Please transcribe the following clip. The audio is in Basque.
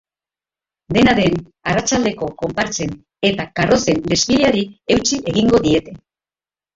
Dena den, arratsaldeko konpartsen eta karrozen desfileari eutsi egingo diete.